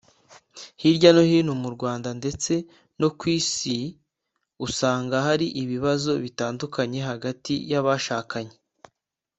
Hirya no hino mu Rwanda ndetse no ku isi usanga hari ibibazo bitandukanye hagati y’abashakanye